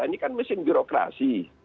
ini kan mesin birokrasi